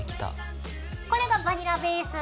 これがバニラベース。